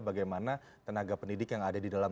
bagaimana tenaga pendidik yang ada di dalam